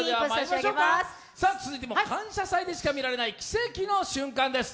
続いても「感謝祭」でしか見られない奇跡の瞬間です。